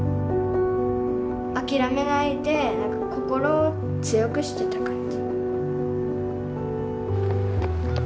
諦めないでなんか心を強くしてた感じ